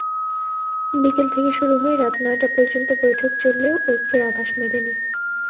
বিকেল থেকে শুরু হয়ে রাত নয়টা পর্যন্ত বৈঠক চললেও ঐক্যের আভাস মেলেনি।